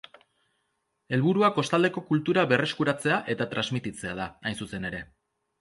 Helburua kostaldeko kultura berreskuratzea eta transmititzea da, hain zuzen ere.